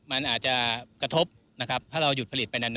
มันอาจจะกระทบนะครับถ้าเราหยุดผลิตไปนาน